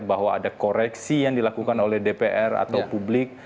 bahwa ada koreksi yang dilakukan oleh dpr atau publik